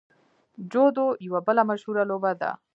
جودو یوه بله مشهوره لوبه ده.